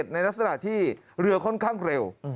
ในลักษณะที่เรือค่อนข้างเร็ว